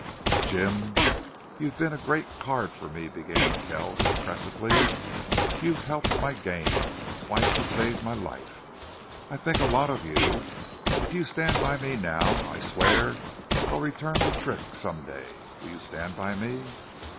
"Jim, you've been a great card for me," began Kells, impressively. "You've helped my game and twice you saved my life. I think a lot of you.... If you stand by me now I swear I'll return the trick some day.... Will you stand by me?"